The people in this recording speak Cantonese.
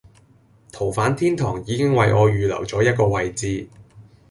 逃犯天堂已經為我預留咗一個位置